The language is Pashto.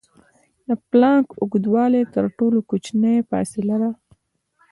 د پلانک اوږدوالی تر ټولو کوچنۍ فاصلې ده.